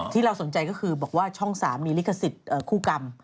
ที่เราสนใจก็คือบอกว่าช่อง๓มีลิขสิทธิ์คู่กรรม